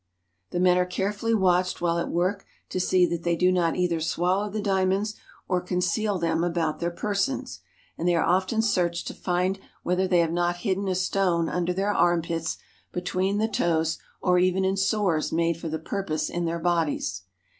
The men are carefully watched while at work to see that they do not either swallow the diamonds or conceal them about their persons ; and they are often searched to find whether they have not hidden a stone under their arm pits, between the toes, or even in sores made for the pur pose in their bodies.